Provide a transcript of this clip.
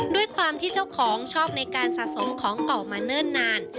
ด้วยความที่เจ้าของชอบในการสะสมของเก่ามาเนิ่นนาน